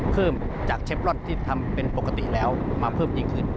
เพิ่มป้าย